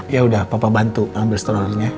yaudah papa bantu ambil stullernya